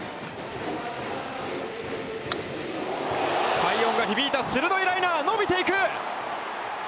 快音が響いた鋭いライナー、伸びていく！